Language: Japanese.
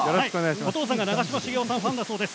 お父さんが長嶋茂雄さんのファンだそうです。